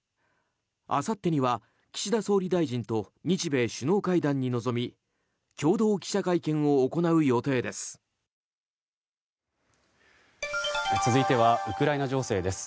あさってには岸田総理大臣と日米首脳会談に臨み共同記者会見を行う予定です。